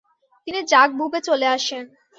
তিনি জাগবুবে চলে আসেন।